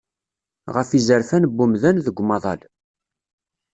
Ɣef yizerfan n umdan, deg umaḍal.